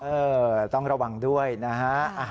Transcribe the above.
เออต้องระวังด้วยนะฮะ